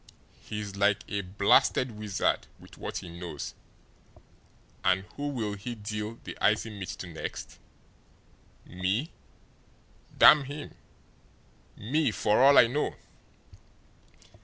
He's like a blasted wizard with what he knows. And who'll he deal the icy mitt to next? Me damn him me, for all I know!"